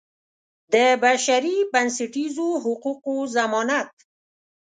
د بشري بنسټیزو حقوقو ضمانت.